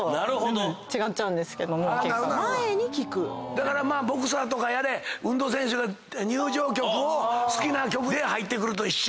だからボクサーとかやれ運動選手が入場曲を好きな曲で入ってくると一緒？